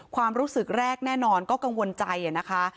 ความรู้สึกแรกแน่นอนก็กังวลใจนะคะ